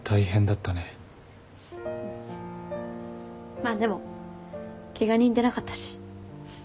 まあでもケガ人出なかったし。